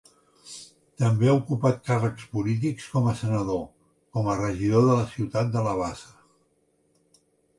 També ha ocupat càrrecs polítics com a senador, com a regidor de la ciutat de Labasa.